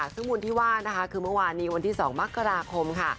ซึ่งบุญที่ว่านะคะคือเมื่อวานนี้วันที่๒มกราคมค่ะ